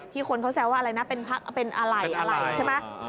ที่คนเขาแซวว่าอะไรนะเป็นอะไรใช่ไหม